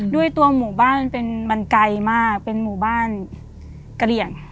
ด้วยตัวหมู่บ้านมันเป็นมันไกลมากเป็นหมู่บ้านเกรียง